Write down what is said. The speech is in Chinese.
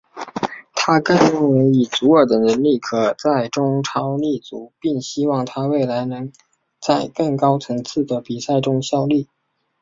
他更认为以祖尔的能力可在中超立足并希望他未来可以在更高层次的比赛效力。